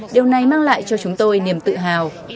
điều này mang lại cho chúng tôi niềm tự hào